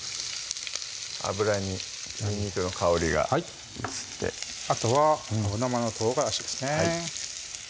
油ににんにくの香りが移ってあとは青生の唐辛子ですね